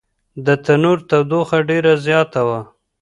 د تنور تودوخه ډېره زیاته وه.